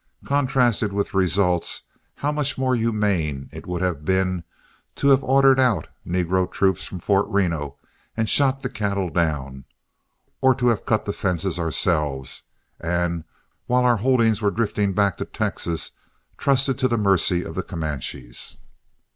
Contrasted with results, how much more humane it would have been to have ordered out negro troops from Fort Reno and shot the cattle down, or to have cut the fences ourselves, and, while our holdings were drifting back to Texas, trusted to the mercy of the Comanches.